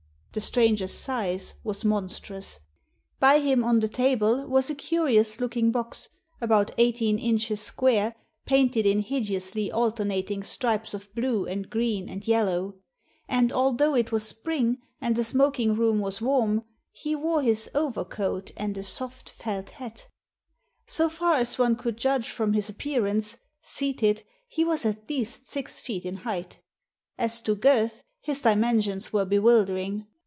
The stranger's size was monstrous. By him on the table was a curious looking box, about eighteen inches square, painted in hideously alter nating stripes of blue and green and yellow; and although it was spring, and the smoking room was warm, he wore his overcoat and a soft felt hat So far as one could judge from his appearance, seated, he was at least six feet in height As to girth, his dimensions were bewildering.